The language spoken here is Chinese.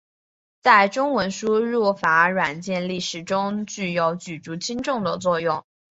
在中文输入法软件历史中具有举足轻重的作用。